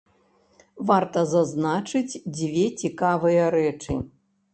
Варта зазначыць дзве цікавыя рэчы.